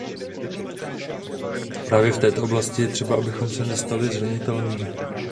Právě v této oblasti je třeba, abychom se nestali zranitelnými.